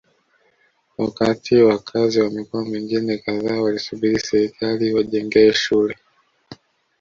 wakati wakazi wa mikoa mingine kadhaa walisubiri serikali iwajengee shule